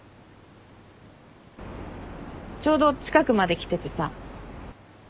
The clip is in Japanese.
ちょうど近くまで来ててさ。